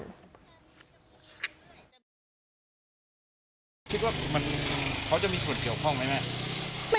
คิดว่าเขาจะมีส่วนเกี่ยวข้องไหมแม่